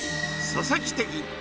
佐々木的